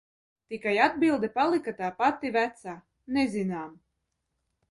"Tikai atbilde palika tā pati vecā "nezinām"."